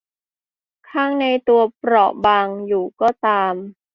ข้างในตัวเองเปราะบางอยู่ก็ตาม